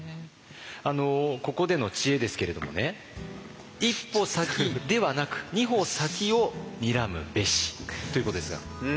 ここでの知恵ですけれどもね「一歩先ではなく二歩先をにらむべし」ということですが。